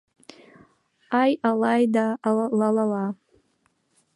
Ай-алай-да, ла-ла-ла